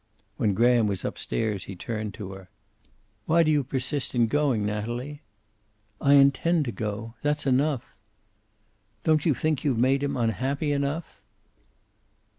When Graham was up stairs, he turned to her. "Why do you persist in going, Natalie?" "I intend to go. That's enough." "Don't you think you've made him unhappy enough?"